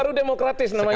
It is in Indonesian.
itu baru demokratis namanya